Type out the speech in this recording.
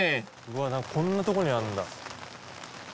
うわこんなとこにあるんだ。